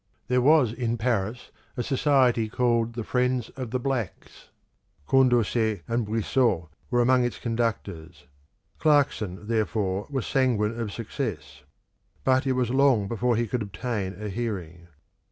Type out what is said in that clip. There was in Paris a Society called the Friends of the Blacks; Condorcet and Brissot were among its conductors. Clarkson, therefore, was sanguine of success; but it was long before he could obtain a hearing.